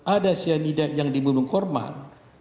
ada cyanida yang dibunuh korban